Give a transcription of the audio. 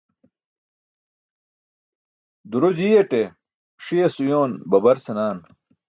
Duro jiyate, ṣiyas uyoon baber senaan.